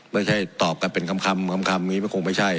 ไม่ใช่ตอบกันเป็นคำอย่างนี้มันคงไม่ใช่